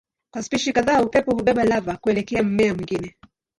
Kwa spishi kadhaa upepo hubeba lava kuelekea mmea mwingine.